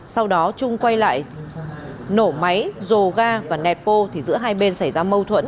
sau đó trung quay lại nổ máy dồ ga và nẹt bô thì giữa hai bên xảy ra mâu thuẫn